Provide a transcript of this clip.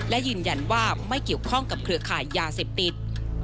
และยืนยันว่าไม่เกี่ยวข้องกับเครือข่ายยาเสพติด